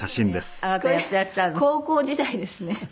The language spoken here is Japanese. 高校時代ですね。